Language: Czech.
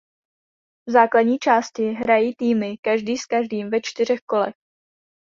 V základní části hrají týmy každý s každým ve čtyřech kolech.